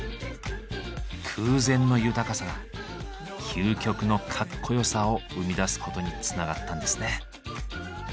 空前の豊かさが究極のかっこよさを生み出すことにつながったんですね。